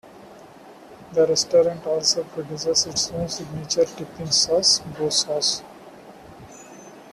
The restaurant also produces its own signature dipping sauce, Bo Sauce.